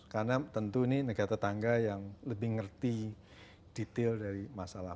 karena tentu ini negara tetangga yang lebih mengerti detail dari masalah